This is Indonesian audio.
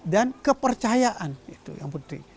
dan kepercayaan itu yang penting